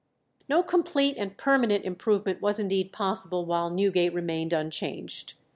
No complete and permanent improvement was indeed possible while Newgate remained unchanged.